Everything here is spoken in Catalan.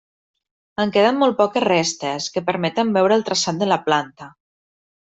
En queden molt poques restes, que permeten veure el traçat de la planta.